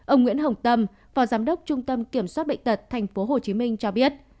ông nguyễn hồng tâm phó giám đốc trung tâm kiểm soát bệnh tật tp hcm cho biết